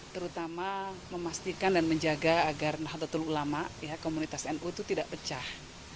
terutama memastikan dan menjaga agar nahdlatul ulama komunitas nu itu tidak pecah